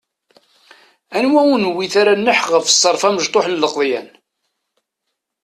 Anwa ur newwit ara nneḥ ɣef ṣṣerf amecṭuḥ n lqeḍyan!